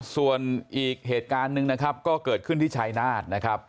ส่วนอีกเหตุการณ์นึงและก็เกิดขึ้นที่ไชนาล